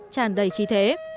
tràn đầy khí thế